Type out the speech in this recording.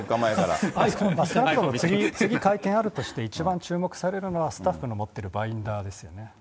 次、会見あるとして一番注目されるのは、スタッフが持っているバインダーですよね。